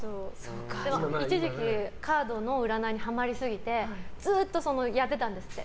一時期、カードの占いにはまりすぎてずっとやってたんですって。